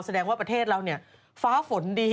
แสดงว่าประเทศเราเนี่ยฟ้าฝนดี